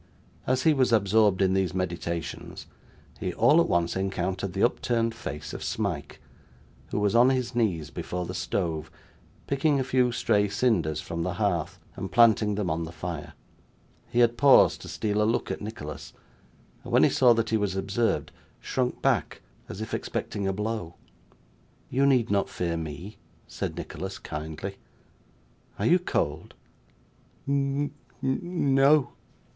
As he was absorbed in these meditations, he all at once encountered the upturned face of Smike, who was on his knees before the stove, picking a few stray cinders from the hearth and planting them on the fire. He had paused to steal a look at Nicholas, and when he saw that he was observed, shrunk back, as if expecting a blow. 'You need not fear me,' said Nicholas kindly. 'Are you cold?' 'N n o.